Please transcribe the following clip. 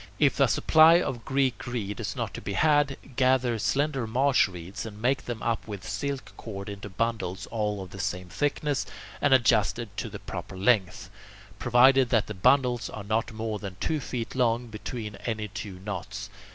If a supply of Greek reed is not to be had, gather slender marsh reeds, and make them up with silk cord into bundles all of the same thickness and adjusted to the proper length, provided that the bundles are not more than two feet long between any two knots.